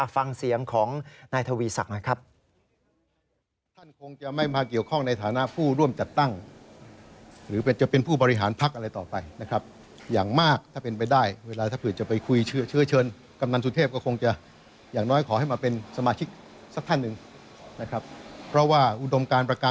ฟังเสียงของนายทวีศักดิ์หน่อยครับ